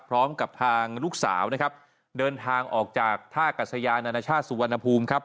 พร้อมกับทางลูกสาวนะครับเดินทางออกจากท่ากัศยานานาชาติสุวรรณภูมิครับ